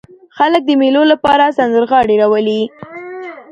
خلک د مېلو له پاره سندرغاړي راولي.